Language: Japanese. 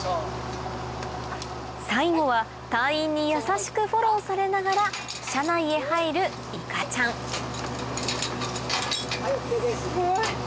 最後は隊員に優しくフォローされながら車内へ入るいかちゃんすごい。